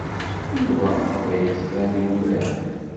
Yuba la d-yettban yuggad.